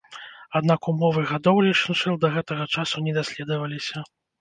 Аднак умовы гадоўлі шыншыл да гэтага часу не даследаваліся.